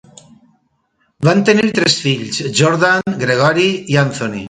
Van tenir tres fills, Jordan, Gregori i Anthony.